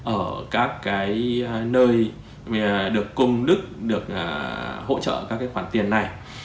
ở các cái nơi được công đức được hỗ trợ các cái khoản tiền này